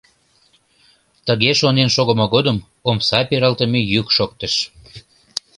Тыге шонен шогымо годым омса пералтыме йӱк шоктыш.